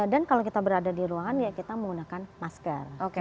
dan kalau kita berada di ruangan ya kita menggunakan masker